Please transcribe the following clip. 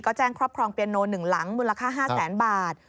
ก็แจ้งครอบครองเปียโน๑หลังมูลค่า๕แสนบาท